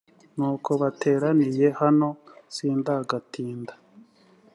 nuko bateraniye hano sindagatinda